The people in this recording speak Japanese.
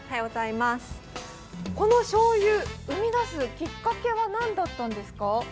このしょうゆ、生み出すきっかけは何だったんですか？